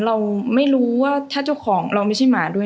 เราไม่รู้ว่าถ้าเจ้าของเราไม่ใช่หมาด้วย